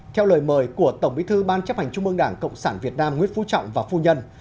theo lời mời của tổng bí thư ban chấp hành trung ương đảng cộng sản việt nam nguyễn phú trọng và phu nhân